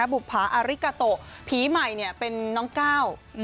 บุภาอาริกาโตผีใหม่เป็นน้องก้าว